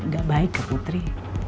gak baik ya putri